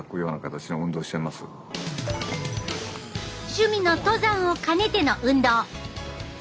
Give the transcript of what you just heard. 趣味の登山を兼ねての運動。